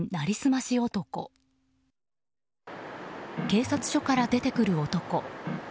警察署から出てくる男。